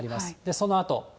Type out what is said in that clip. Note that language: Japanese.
そのあと。